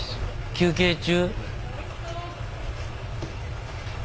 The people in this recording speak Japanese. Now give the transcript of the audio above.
休憩中？